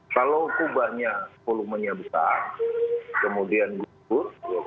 kalau kubahnya volumenya besar kemudian gugur